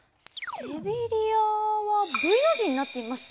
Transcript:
セビリアはＶの字になっています。